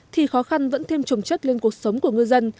thì khó khăn vẫn thêm trồng chất lên cuộc sống của ngư dân